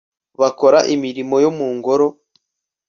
bakora imirimo yo mu ngoro